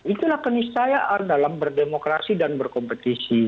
itulah keniscayaan dalam berdemokrasi dan berkompetisi